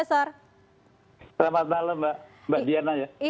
selamat malam mbak diana